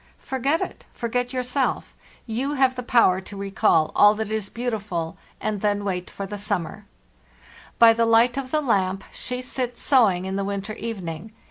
Forget it, forget yourself; you have the power to recall all that is 440 FARTHEST NORTH beautiful, and then wait for the summer.. .. By the light of the lamp she sits sewing in the winter evening.